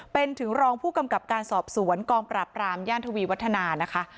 เป็นถึงรองผู้กำกับการสอบสวนกองปราบรามย่านทวีวัฒนานะคะ